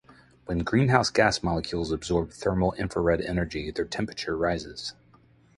When greenhouse gas molecules absorb thermal infrared energy, their temperature rises.